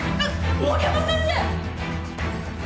森山先生！